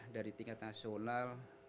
dari tingkat nasional untuk